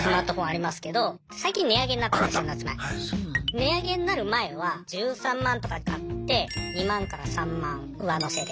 値上げになる前は１３万とかで買って２万から３万上乗せで。